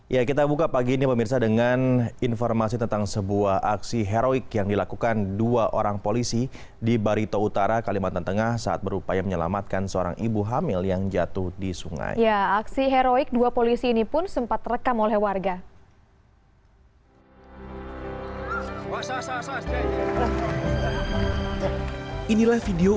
ya kita buka pagi ini pemirsa dengan informasi tentang sebuah aksi heroik yang dilakukan dua orang polisi di barito utara kalimantan tengah saat berupaya menyelamatkan seorang ibu hamil yang jatuh di sungai